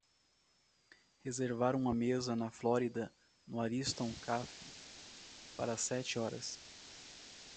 reservar uma mesa na Flórida no Ariston Cafe para sete horas